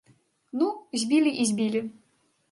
Ну, збілі і збілі.